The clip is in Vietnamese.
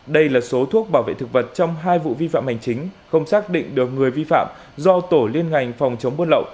đây là số thuốc bảo vệ thực vật trong hai vụ vi phạm hành chính không xác định được người vi phạm do tổ liên ngành phòng chống buôn lậu